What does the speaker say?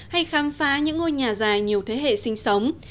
hay khám phá những ngôi nhà dài nhiều thế hệ sinh sống